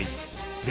で